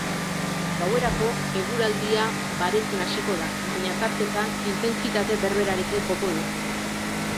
Gauerako, eguraldia baretzen hasiko da, baina tarteka intentsitate berberarekin joko du.